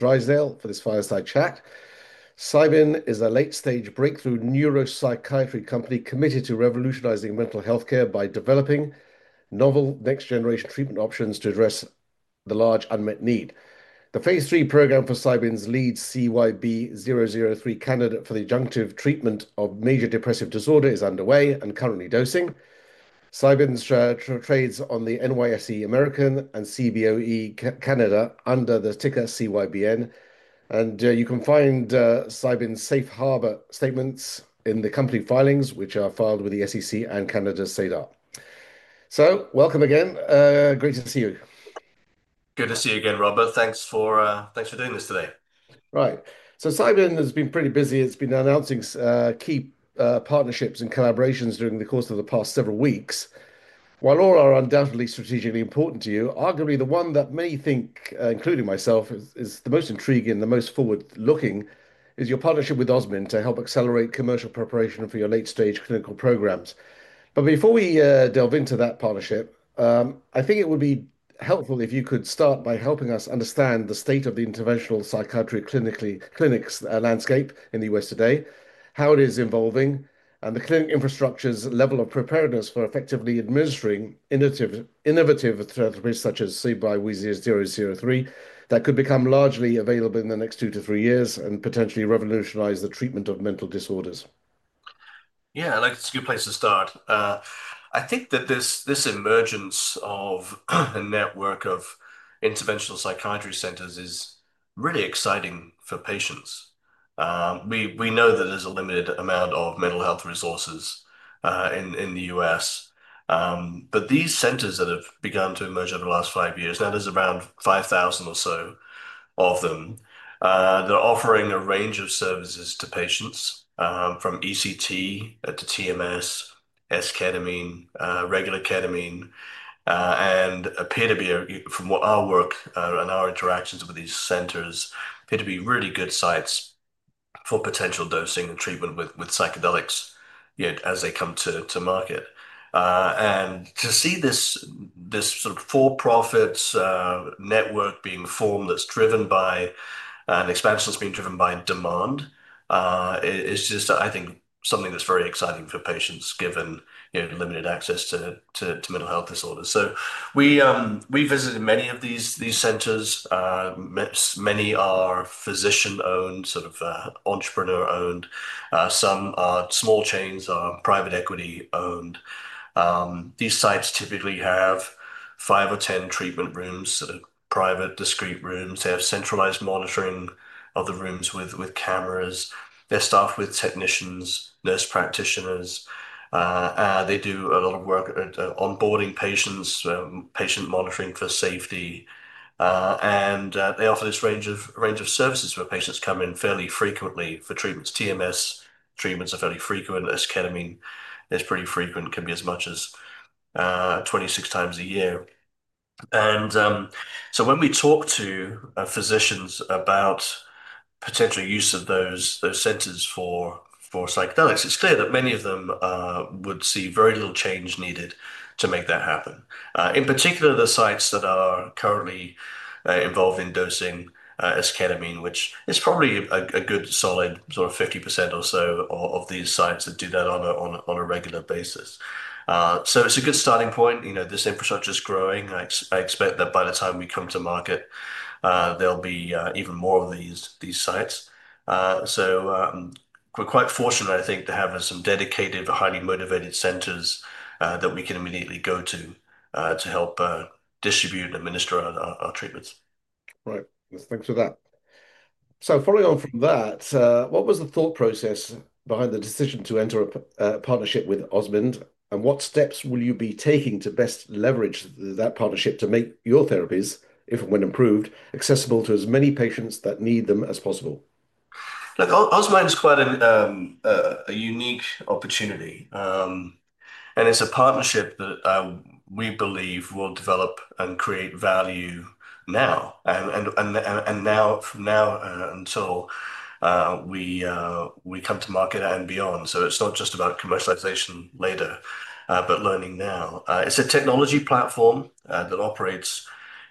Drysdale, for this fireside chat. Cybin is a late-stage breakthrough neuropsychiatry company committed to revolutionizing mental healthcare by developing novel next-generation treatment options to address the large unmet need. The phase III program for Cybin's lead CYB-003 candidate for the adjunctive treatment of major depressive disorder is underway and currently dosing. Cybin trades on the NYSE American and CBOE Canada under the ticker CYBN, and you can find Cybin's safe harbor statements in the company filings, which are filed with the SEC and Canada's SEDAR. Great to see you. Good to see you again, Robert. Thanks for doing this today. Right. Cybin has been pretty busy. It's been announcing key partnerships and collaborations during the course of the past several weeks. While all are undoubtedly strategically important to you, arguably the one that many think, including myself, is the most intriguing and the most forward-looking is your partnership with Osmind to help accelerate commercial preparation for your late-stage clinical programs. Before we delve into that partnership, I think it would be helpful if you could start by helping us understand the state of the interventional psychiatry clinics landscape in the U.S. today, how it is evolving, and the clinic infrastructure's level of preparedness for effectively administering innovative therapies such as CYB-003 that could become largely available in the next two to three years and potentially revolutionize the treatment of mental disorders. Yeah, I think it's a good place to start. I think that this emergence of a network of interventional psychiatry centers is really exciting for patients. We know that there's a limited amount of mental health resources in the U.S., but these centers that have begun to emerge over the last five years, now there's around 5,000 or so of them, they're offering a range of services to patients from ECT to TMS, S-ketamine, regular ketamine, and appear to be, from our work and our interactions with these centers, appear to be really good sites for potential dosing and treatment with psychedelics as they come to market. To see this sort of for-profit network being formed that's driven by, and expansion that's being driven by demand, is just, I think, something that's very exciting for patients given limited access to mental health disorders. We visited many of these centers. Many are physician-owned, sort of entrepreneur-owned. Some are small chains, are private equity-owned. These sites typically have five or ten treatment rooms, sort of private, discreet rooms. They have centralized monitoring of the rooms with cameras. They're staffed with technicians, nurse practitioners. They do a lot of work onboarding patients, patient monitoring for safety. They offer this range of services where patients come in fairly frequently for treatments. TMS treatments are fairly frequent. S-ketamine is pretty frequent. It can be as much as 26 times a year. When we talk to physicians about potential use of those centers for psychedelics, it's clear that many of them would see very little change needed to make that happen. In particular, the sites that are currently involved in dosing S-ketamine, which is probably a good solid sort of 50% or so of these sites that do that on a regular basis. It is a good starting point. This infrastructure is growing. I expect that by the time we come to market, there will be even more of these sites. We are quite fortunate, I think, to have some dedicated, highly motivated centers that we can immediately go to to help distribute and administer our treatments. Right. Thanks for that. Following on from that, what was the thought process behind the decision to enter a partnership with Osmind, and what steps will you be taking to best leverage that partnership to make your therapies, if and when approved, accessible to as many patients that need them as possible? Look, Osmind is quite a unique opportunity, and it's a partnership that we believe will develop and create value now and now until we come to market and beyond. It's not just about commercialization later, but learning now. It's a technology platform that operates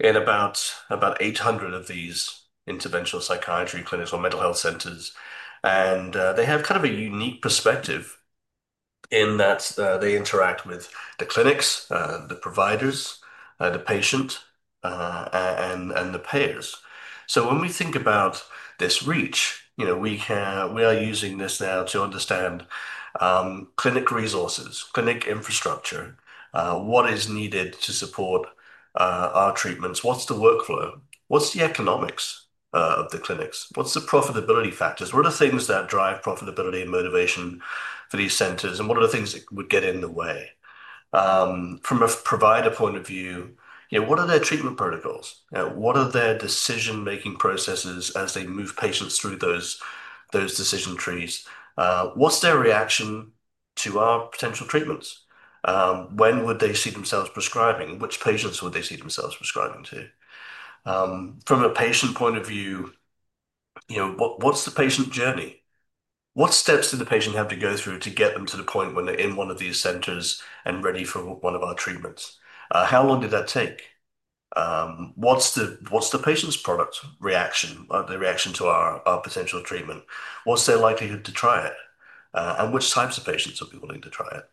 in about 800 of these interventional psychiatry clinics or mental health centers, and they have kind of a unique perspective in that they interact with the clinics, the providers, the patient, and the payers. When we think about this reach, we are using this now to understand clinic resources, clinic infrastructure, what is needed to support our treatments, what's the workflow, what's the economics of the clinics, what's the profitability factors, what are the things that drive profitability and motivation for these centers, and what are the things that would get in the way. From a provider point of view, what are their treatment protocols? What are their decision-making processes as they move patients through those decision trees? What's their reaction to our potential treatments? When would they see themselves prescribing? Which patients would they see themselves prescribing to? From a patient point of view, what's the patient journey? What steps do the patient have to go through to get them to the point when they're in one of these centers and ready for one of our treatments? How long did that take? What's the patient's product reaction, the reaction to our potential treatment? What's their likelihood to try it? Which types of patients would be willing to try it?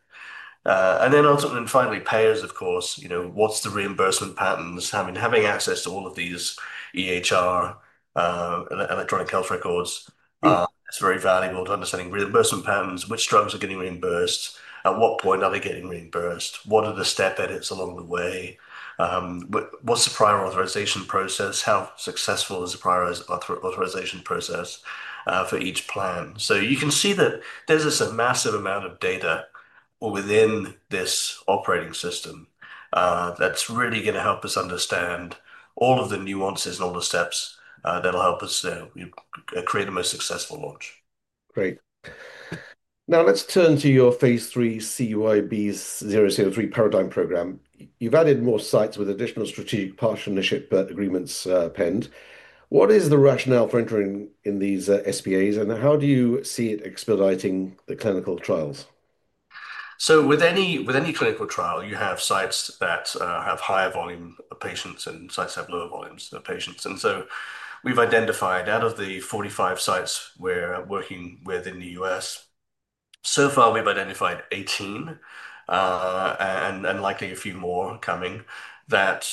Ultimately, finally, payers, of course, what's the reimbursement patterns? I mean, having access to all of these EHR, electronic health records, that's very valuable to understanding reimbursement patterns. Which drugs are getting reimbursed? At what point are they getting reimbursed? What are the step edits along the way? What's the prior authorization process? How successful is the prior authorization process for each plan? You can see that there's a massive amount of data within this operating system that's really going to help us understand all of the nuances and all the steps that'll help us create the most successful launch. Great. Now, let's turn to your phase III CYB-003 paradigm program. You've added more sites with additional strategic partnership agreements penned. What is the rationale for entering in these SBAs, and how do you see it expediting the clinical trials? With any clinical trial, you have sites that have higher volume of patients and sites that have lower volumes of patients. We've identified out of the 45 sites we're working with in the U.S., so far we've identified 18 and likely a few more coming that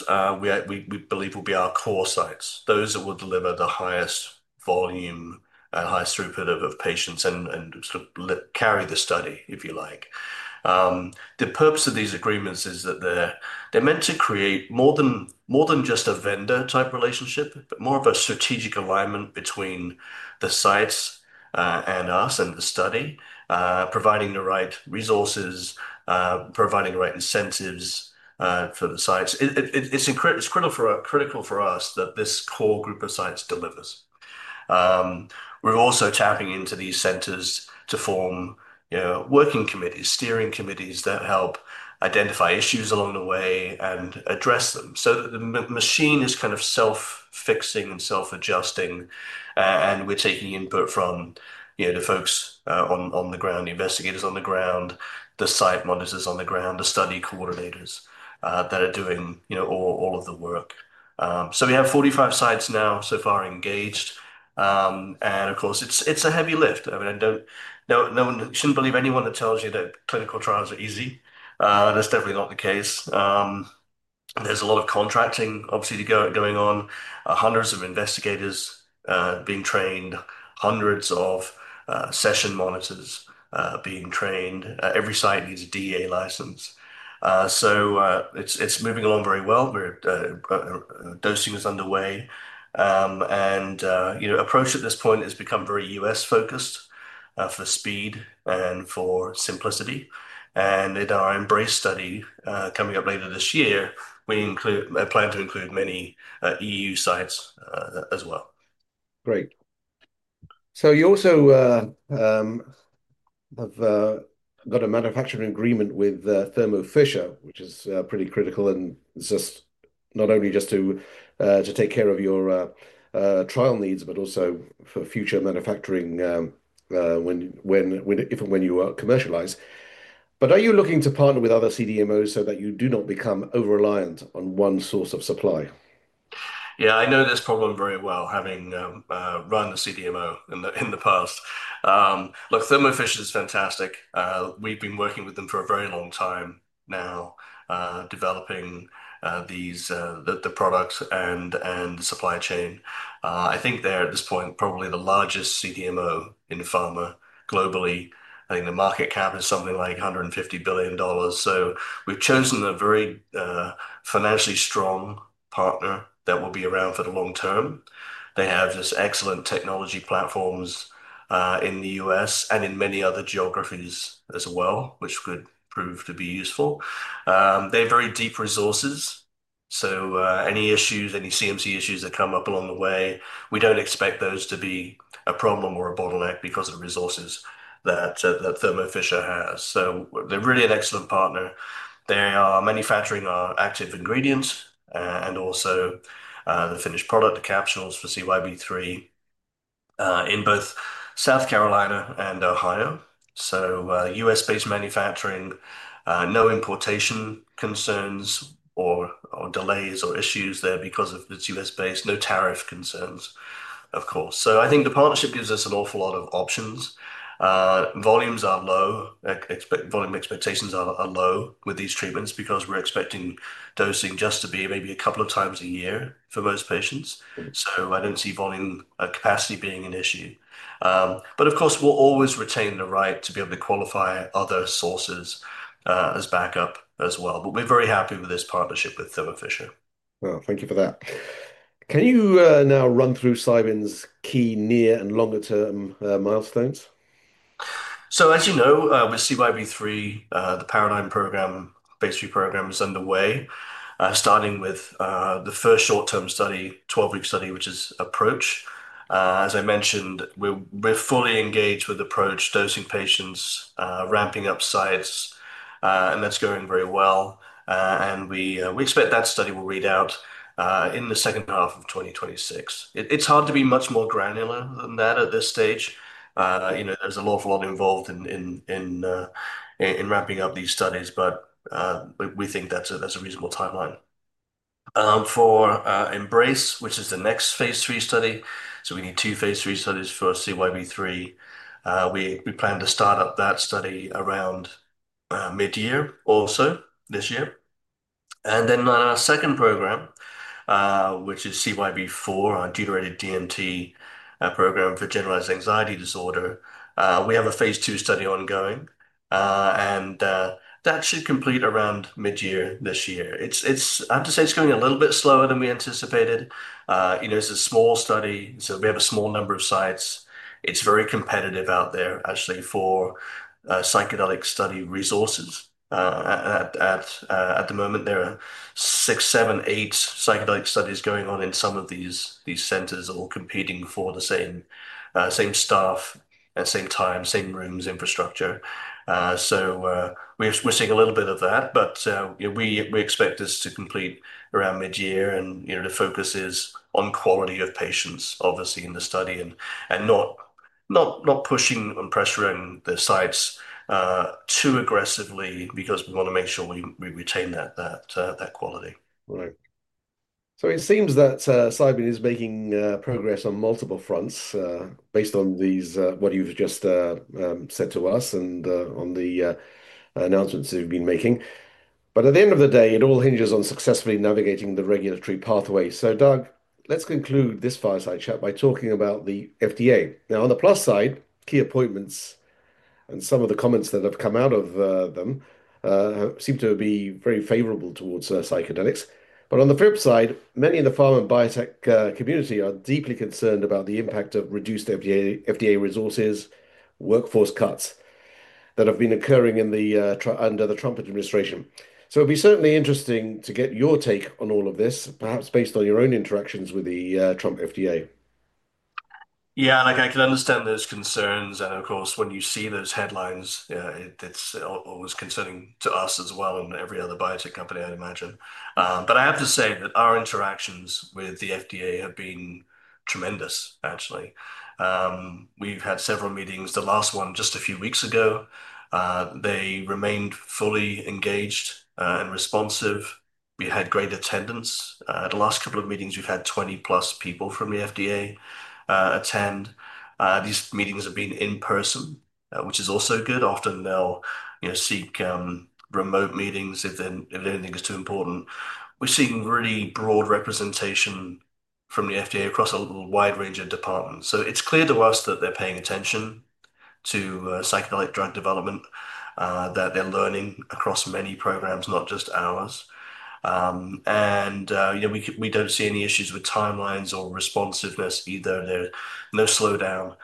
we believe will be our core sites, those that will deliver the highest volume and highest throughput of patients and carry the study, if you like. The purpose of these agreements is that they're meant to create more than just a vendor-type relationship, but more of a strategic alignment between the sites and us and the study, providing the right resources, providing the right incentives for the sites. It's critical for us that this core group of sites delivers. We're also tapping into these centers to form working committees, steering committees that help identify issues along the way and address them. The machine is kind of self-fixing and self-adjusting, and we're taking input from the folks on the ground, the investigators on the ground, the site monitors on the ground, the study coordinators that are doing all of the work. We have 45 sites now so far engaged, and of course, it's a heavy lift. I mean, no one shouldn't believe anyone that tells you that clinical trials are easy. That's definitely not the case. There's a lot of contracting, obviously, going on, hundreds of investigators being trained, hundreds of session monitors being trained. Every site needs a DEA license. It's moving along very well. Dosing is underway, and approach at this point has become very U.S.-focused for speed and for simplicity. In our embrace study coming up later this year, we plan to include many E.U. sites as well. Great. You also have got a manufacturing agreement with Thermo Fisher, which is pretty critical and just not only just to take care of your trial needs, but also for future manufacturing if and when you commercialize. Are you looking to partner with other CDMOs so that you do not become over-reliant on one source of supply? Yeah, I know this problem very well, having run the CDMO in the past. Look, Thermo Fisher is fantastic. We've been working with them for a very long time now, developing the products and the supply chain. I think they're at this point probably the largest CDMO in pharma globally. I think the market cap is something like $150 billion. We've chosen a very financially strong partner that will be around for the long term. They have just excellent technology platforms in the U.S. and in many other geographies as well, which could prove to be useful. They have very deep resources. Any issues, any CMC issues that come up along the way, we don't expect those to be a problem or a bottleneck because of the resources that Thermo Fisher has. They're really an excellent partner. They are manufacturing our active ingredients and also the finished product, the capsules for CYB-003 in both South Carolina and Ohio. U.S.-based manufacturing, no importation concerns or delays or issues there because of its U.S. base, no tariff concerns, of course. I think the partnership gives us an awful lot of options. Volumes are low. Volume expectations are low with these treatments because we're expecting dosing just to be maybe a couple of times a year for most patients. I don't see volume capacity being an issue. Of course, we'll always retain the right to be able to qualify other sources as backup as well. We're very happy with this partnership with Thermo Fisher. Thank you for that. Can you now run through Cybin's key near and longer-term milestones? As you know, with CYB-003, the paradigm program, phase III program is underway, starting with the first short-term study, 12-week study, which is Approach. As I mentioned, we're fully engaged with Approach, dosing patients, ramping up sites, and that's going very well. We expect that study will read out in the second half of 2026. It's hard to be much more granular than that at this stage. There's an awful lot involved in ramping up these studies, but we think that's a reasonable timeline. For Embrace, which is the next phase III study, we need two phase III studies for CYB-003. We plan to start up that study around mid-year also this year. On our second program, which is CYB-004, our deuterated DMT program for generalized anxiety disorder, we have a phase II study ongoing, and that should complete around mid-year this year. I have to say it's going a little bit slower than we anticipated. It's a small study, so we have a small number of sites. It's very competitive out there, actually, for psychedelic study resources. At the moment, there are six, seven, eight psychedelic studies going on in some of these centers all competing for the same staff and same time, same rooms, infrastructure. We're seeing a little bit of that, but we expect this to complete around mid-year, and the focus is on quality of patients, obviously, in the study and not pushing and pressuring the sites too aggressively because we want to make sure we retain that quality. Right. So, it seems that Cybin is making progress on multiple fronts based on what you've just said to us and on the announcements you've been making. At the end of the day, it all hinges on successfully navigating the regulatory pathway. Doug, let's conclude this fireside chat by talking about the FDA. On the plus side, key appointments and some of the comments that have come out of them seem to be very favorable towards psychedelics. On the flip side, many in the pharma and biotech community are deeply concerned about the impact of reduced FDA resources, workforce cuts that have been occurring under the Trump administration. It would be certainly interesting to get your take on all of this, perhaps based on your own interactions with the Trump FDA. Yeah, I can understand those concerns. Of course, when you see those headlines, it's always concerning to us as well and every other biotech company, I'd imagine. I have to say that our interactions with the FDA have been tremendous, actually. We've had several meetings. The last one just a few weeks ago, they remained fully engaged and responsive. We had great attendance. The last couple of meetings, we've had 20-plus people from the FDA attend. These meetings have been in person, which is also good. Often they'll seek remote meetings if anything is too important. We're seeing really broad representation from the FDA across a wide range of departments. It's clear to us that they're paying attention to psychedelic drug development, that they're learning across many programs, not just ours. We don't see any issues with timelines or responsiveness either. There's no slowdown.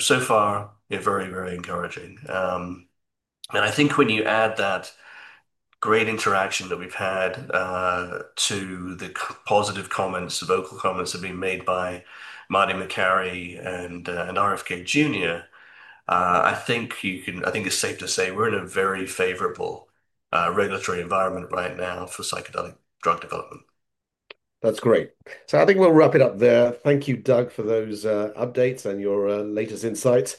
So far, very, very encouraging. I think when you add that great interaction that we've had to the positive comments, the vocal comments that have been made by Marty McCarry and RFK Jr., I think it's safe to say we're in a very favorable regulatory environment right now for psychedelic drug development. That's great. I think we'll wrap it up there. Thank you, Doug, for those updates and your latest insights.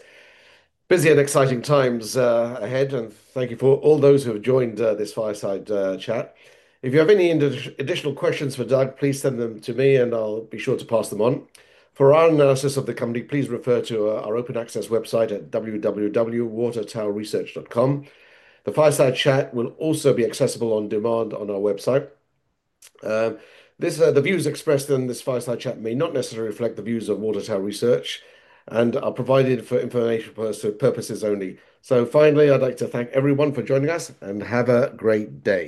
Busy and exciting times ahead, and thank you for all those who have joined this fireside chat. If you have any additional questions for Doug, please send them to me, and I'll be sure to pass them on. For our analysis of the company, please refer to our open access website at www.watertowresearch.com. The fireside chat will also be accessible on demand on our website. The views expressed in this fireside chat may not necessarily reflect the views of Watertow Research and are provided for information purposes only. Finally, I'd like to thank everyone for joining us and have a great day.